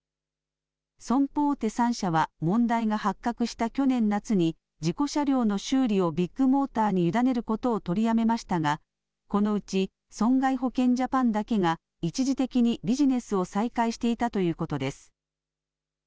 損保大手３社は問題が発覚した去年夏に事故車両の修理をビッグモーターに委ねることを取りやめましたがこのうち損害保険ジャパンだけが一時的にビジネスを再開していたということです。